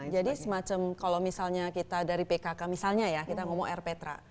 jadi semacam kalau misalnya kita dari pkk misalnya ya kita ngomong rptra